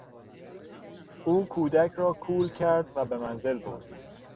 او کودک را کول کرد و به منزل برد.